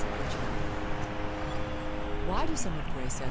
RICHMOND WHY do some of Grace S.